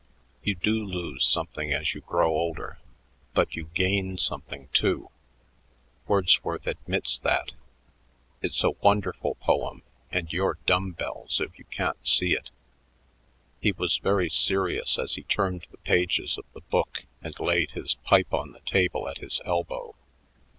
You do lose something as you grow older, but you gain something, too. Wordsworth admits that. It's a wonderful poem, and you're dumbbells if you can't see it." He was very serious as he turned the pages of the book and laid his pipe on the table at his elbow.